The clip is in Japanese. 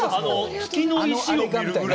月の石を見るぐらい。